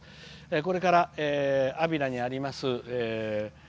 これから安平にあります